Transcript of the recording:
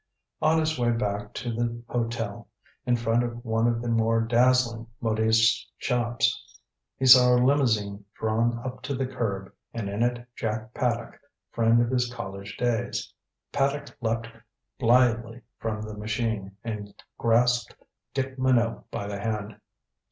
On his way back to the hotel, in front of one of the more dazzling modiste's shops, he saw a limousine drawn up to the curb, and in it Jack Paddock, friend of his college days. Paddock leaped blithely from the machine and grasped Dick Minot by the hand.